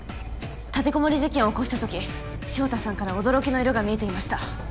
立てこもり事件を起こしたとき潮田さんから「驚き」の色が見えていました。